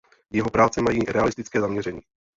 Jeho práce mají realistické zaměření.